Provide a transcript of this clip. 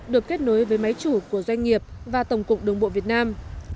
được kết nối với máy chủ của doanh nghiệp và tổng cục đường bộ việt nam